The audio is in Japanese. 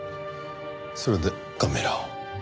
それでカメラを。